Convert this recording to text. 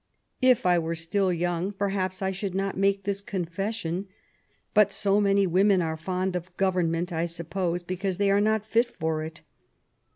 If I were still young, perhaps I should not make this confession ; but so many women are fond of goyemment, I suppose, because they are not fit for it.